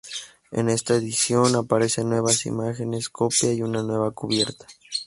En esta edición aparecen nuevas imágenes, copia y una nueva cubierta.